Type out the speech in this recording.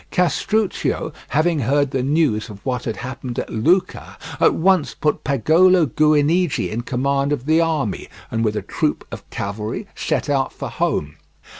Castruccio, having heard the news of what had happened at Lucca, at once put Pagolo Guinigi in command of the army, and with a troop of cavalry set out for home.